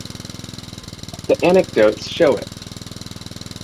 The anecdotes show it.